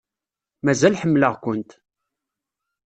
Mazal ḥemmleɣ-kumt.